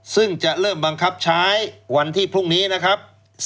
ซึ่งจะเริ่มบังคับใช้วันที่พรุ่งนี้นะครับ